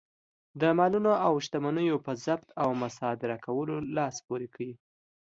د مالونو او شتمنیو په ضبط او مصادره کولو لاس پورې کړ.